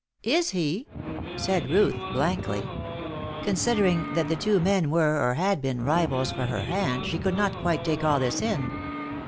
"Is he?" said Ruth, blankly. Considering that the two men were, or had been, rivals for her hand, she could not quite take all this in.